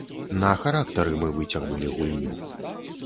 На характары мы выцягнулі гульню.